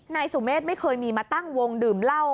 นายสุเมฆไม่เคยมีมาตั้งวงดื่มเหล้า